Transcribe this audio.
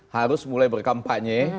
harus mulai berkampanye